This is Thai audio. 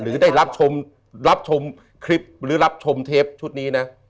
หรือได้รับชมคลิปหรือรับชมเทปชุดนี้นะ